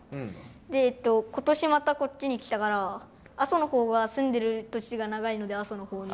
で今年またこっちに来たから阿蘇のほうが住んでる年が長いので阿蘇のほうに。